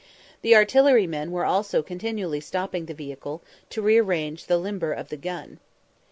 The artillerymen were also continually stopping the vehicle, to rearrange the limber of the gun.